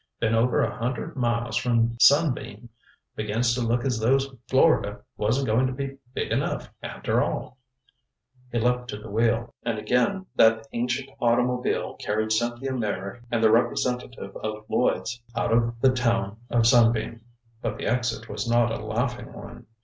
Been over a hundred miles from Sunbeam. Begins to look as though Florida wasn't going to be big enough, after all." He leaped to the wheel, and again that ancient automobile carried Cynthia Meyrick and the representative of Lloyds out of the town of Sunbeam. But the exit was not a laughing one.